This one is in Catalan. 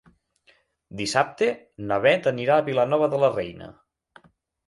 Dissabte na Bet anirà a Vilanova de la Reina.